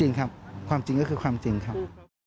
จริงครับความจริงก็คือความจริงครับ